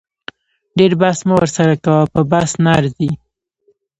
ډیر بحث مه ورسره کوه په بحث نه ارزي